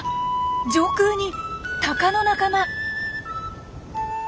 上空にタカの仲間。